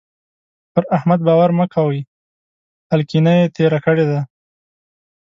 پر احمد باور مه کوئ؛ هلکينه يې تېره کړې ده.